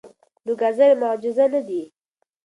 نو ګازرې معجزه نه دي.